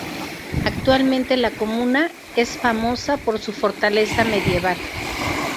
Actualmente la comuna es famosa por su fortaleza medieval.